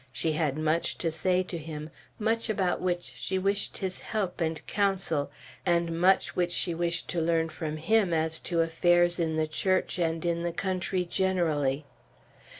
She had much to say to him, much about which she wished his help and counsel, and much which she wished to learn from him as to affairs in the Church and in the country generally.